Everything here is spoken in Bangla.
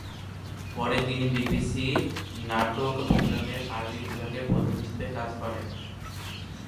পরে তিনি বিবিসি নাটক প্রোগ্রামের আরবি বিভাগের প্রধান হিসেবে কাজ করেন।